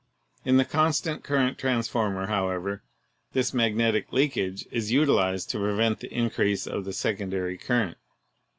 In the constant current trans former, however, this magnetic leakage is utilized to pre vent the increase of the secondary current.